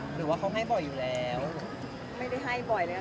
หรือว่าพี่ให้เวลาให้ขอบรรยา